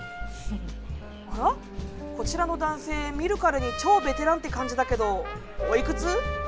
あらこちらの男性見るからに超ベテランって感じだけどおいくつ？